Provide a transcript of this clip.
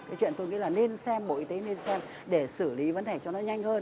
cái chuyện tôi nghĩ là nên xem bộ y tế nên xem để xử lý vấn đề cho nó nhanh hơn